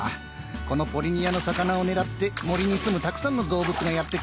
このポリニヤの魚を狙って森にすむたくさんの動物がやって来るんだ。